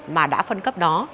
mà đã phân cấp đó